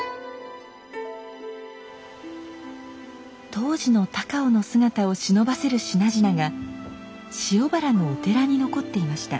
当時の高尾の姿をしのばせる品々が塩原のお寺に残っていました。